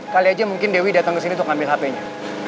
kali aja mungkin dewi datang kesini untuk ngambil hpnya